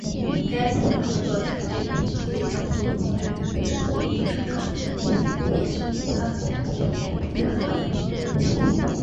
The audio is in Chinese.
该词描述了残疾人仅被当做用来激励正常人的例子或仅从他们残疾的一面来看他们。